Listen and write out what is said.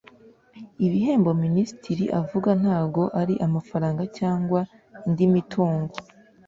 Ibihembo Minisitiri avuga ntago ari amafaranga cyangwa indi mitungo